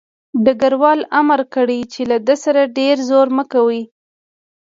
ډګروال امر کړی چې له ده سره ډېر زور مه کوئ